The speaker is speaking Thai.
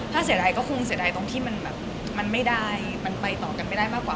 ถ้าเสียดายก็คงเสียดายตรงที่มันแบบมันไม่ได้มันไปต่อกันไม่ได้มากกว่า